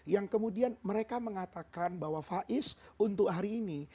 yang kemudian mereka mengatakan bahwa faiz untuk hari ini